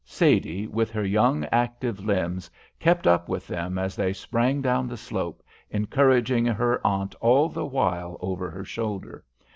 Sadie, with her young, active limbs, kept up with them as they sprang down the slope, encouraging her aunt all the while over her shoulder.